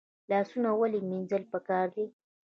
لاسونه ولې مینځل پکار دي؟